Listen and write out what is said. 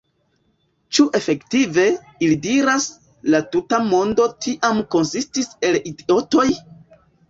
« Ĉu efektive », ili diras, « la tuta mondo tiam konsistis el idiotoj?"